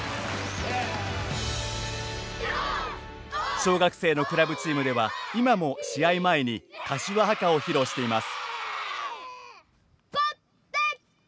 小学生のクラブチームでは今も、試合前に柏ハカを披露しています。